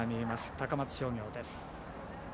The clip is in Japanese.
高松商業です。